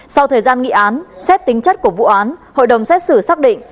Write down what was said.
sau thời gian nghị án xét tính chất của vụ án hội đồng xét xử xác định